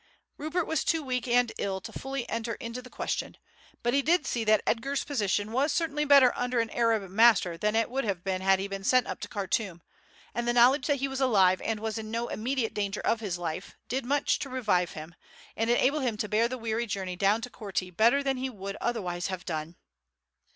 Rupert was too weak and ill to fully enter into the question, but he did see that Edgar's position was certainly better under an Arab master than it would have been had he been sent up to Khartoum, and the knowledge that he was alive and was in no immediate danger of his life did much to revive him, and enable him to bear the weary journey down to Korti better than he would otherwise have done.